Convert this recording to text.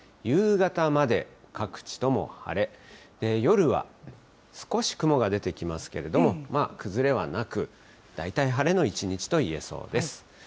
夕方まで各地とも晴れ、夜は少し雲が出てきますけれども、崩れはなく、大体晴れの一日と言えそうです。